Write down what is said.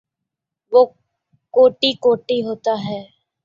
وہ کوئی کوئی ہوتا ہے۔